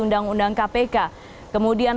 undang undang kpk kemudian